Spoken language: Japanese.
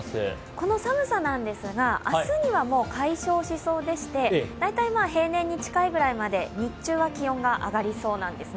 この寒さなんですが明日にはもう解消しそうでして大体平年に近いくらいまで、日中は気温が上がりそうなんです。